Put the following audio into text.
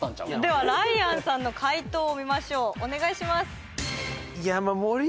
ではライアンさんの解答を見ましょうお願いします山盛り？